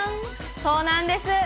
そうなんです。